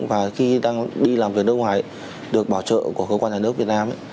và khi đang đi làm việc nước ngoài được bảo trợ của cơ quan nhà nước việt nam